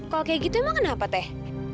kalau kayak gitu emang kenapa teh